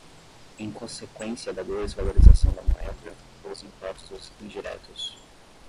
em consequência da desvalorização da moeda, dos impostos indiretos